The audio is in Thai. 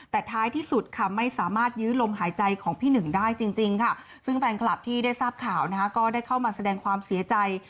แต่ท้ายที่สุดค่ะไม่สามารถยื้อลมหายใจของพี่หนึ่งได้จริงค่ะซึ่งแฟนคลับที่ได้ทราบข่าวนะคะก็ได้เข้ามาแสดงความเสียใจ